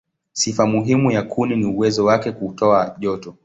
Sifa muhimu ya kuni ni uwezo wake wa kutoa joto.